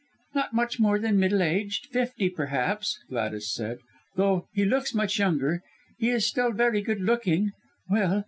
"Not much more than middle aged fifty perhaps!" Gladys said, "though he looks much younger. He is still very good looking. Well!